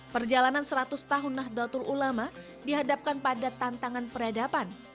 perjalanan seratus tahun nahdlatul ulama dihadapkan pada tantangan peradaban